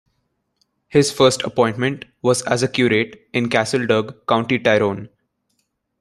His first appointment was as a Curate in Castlederg, County Tyrone.